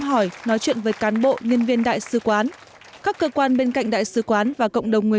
hỏi nói chuyện với cán bộ nhân viên đại sứ quán các cơ quan bên cạnh đại sứ quán và cộng đồng người